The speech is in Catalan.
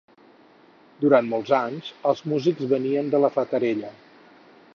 Durant molts anys, els músics venien de la Fatarella.